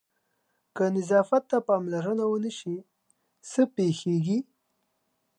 که نظافت ته پاملرنه ونه شي څه پېښېږي؟